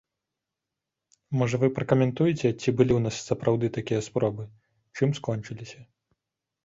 Можа, вы пракаментуеце, ці былі ў нас сапраўды такія спробы, чым скончыліся.